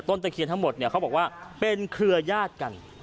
ตะเคียนทั้งหมดเนี่ยเขาบอกว่าเป็นเครือญาติกัน